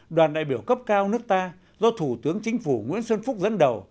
đoàn đại biểu cấp cao nước ta do thủ tướng chính phủ nguyễn xuân phúc dẫn đầu